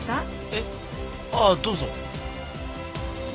えっああどうぞ。